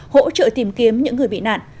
hỗ trợ tìm kiếm những người bị nạn